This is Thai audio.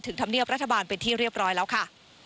ธรรมเนียบรัฐบาลเป็นที่เรียบร้อยแล้วค่ะ